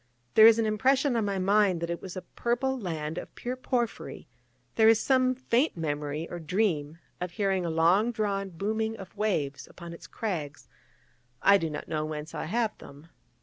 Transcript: There is an impression on my mind that it was a purple land of pure porphyry; there is some faint memory, or dream, of hearing a long drawn booming of waves upon its crags: I do not know whence I have them.